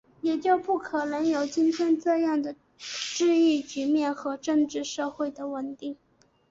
也就不可能有今天这样的治疫局面和政治社会的稳定